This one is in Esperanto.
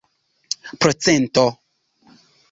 procento